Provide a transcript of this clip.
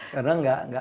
karena gak sering dapat